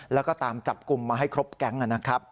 แล้วก็ตามจับกลุ่มมาให้ครบแก๊งนะครับ